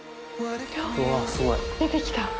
出てきたよ。